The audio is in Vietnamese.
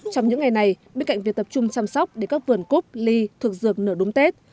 trong những ngày này bên cạnh việc tập trung chăm sóc để các vườn cúc ly thực dược nở đúng tết